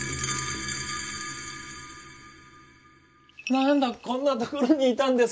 なんだこんなところにいたんですか。